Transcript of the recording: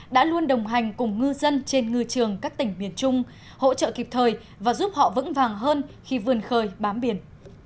đã luôn đồng hành cùng ngư dân trên ngư trường các tỉnh miền trung hỗ trợ kịp thời và giúp họ vững vàng hơn khi vươn khơi bám biển